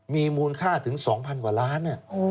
มีมูลค่าถึง๒๐๐กว่าล้าน